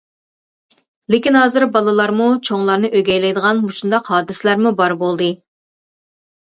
لېكىن ھازىر بالىلارمۇ چوڭلارنى ئۆگەيلەيدىغان مۇشۇنداق ھادىسىلەرمۇ بار بولدى.